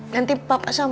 nanti papa sama bedanya